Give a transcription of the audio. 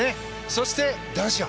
そして、男子は。